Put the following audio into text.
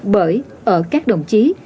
bởi ở các đồng chí